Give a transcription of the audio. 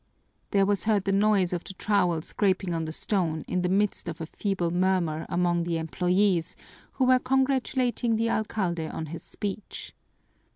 There was heard the noise of the trowel scraping on the stone in the midst of a feeble murmur among the employees, who were congratulating the alcalde on his speech.